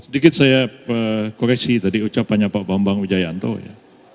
sedikit saya koreksi tadi ucapannya pak bambang wijayanto ya